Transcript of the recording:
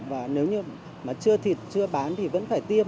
và nếu như mà chưa thịt chưa bán thì vẫn phải tiêm